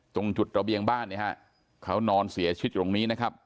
ตรงจุดระเบียงบ้านเนี่ยฮะเขานอนเสียชีวิตอยู่ตรงนี้นะครับ